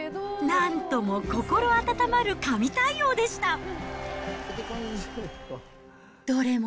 なんとも心温まる神対応でした。